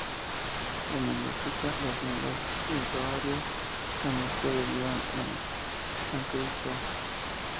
En lingüística, las lenguas indoarias son las que derivan del sánscrito.